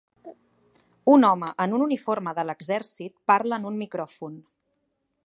Un home en un uniforme de l'exèrcit parla en un micròfon.